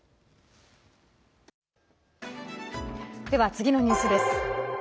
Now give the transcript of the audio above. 次のニュースです。